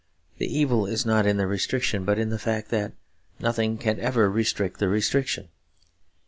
The evil is not in the restriction; but in the fact that nothing can ever restrict the restriction.